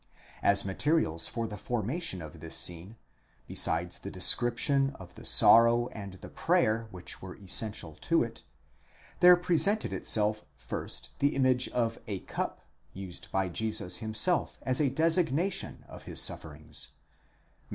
As materials for the formation of this scene, besides the description of the sorrow and the prayer which were essential to it, there presented itself first the image of acup ποτήριον, used by Jesus himself as a designation of his sufferings (Matt.